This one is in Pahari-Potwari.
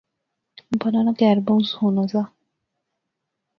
بانو نا کہر بہوں سوہنا زا